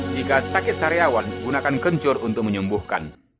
jika sakit saryawan gunakan kencur untuk menyembuhkan